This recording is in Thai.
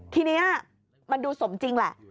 ทีนี้มันดูสมจริงแหละ